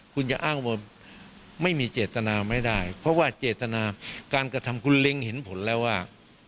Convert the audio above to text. คุณจะอ้างว่าไม่มีเจตนาไม่ได้เพราะว่าเจตนาการกระทำคุณเล็งเห็นผลแล้วว่า